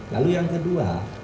lalu yang kedua